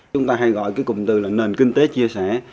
chúng ta hay gọi cái cụm từ là nền kinh tế chia sẻ